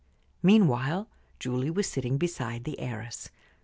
Meanwhile Julie was sitting beside the heiress.